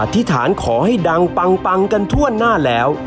ธิษฐานขอให้ดังปังกันทั่วหน้าแล้ว